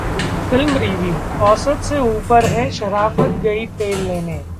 Film Review: औसत से ऊपर है 'शराफत गई तेल लेने'